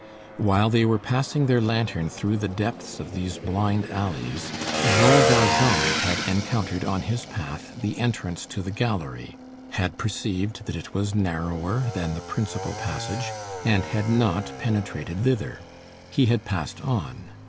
While they were passing their lantern through the depths of these blind alleys, Jean Valjean had encountered on his path the entrance to the gallery, had perceived that it was narrower than the principal passage and had not penetrated thither. He had passed on.